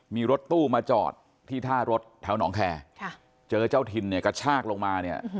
มีรถตู้มาจอดที่ท่ารถแถวหนองแคร์เจอเจ้าถิ่นเนี่ยกระชากลงมาเนี่ย